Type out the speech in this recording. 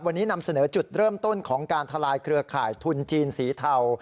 วันนี้นำเสนอจุดเริ่มต้นของการทลายเครือข่ายทุนจีนสีเทา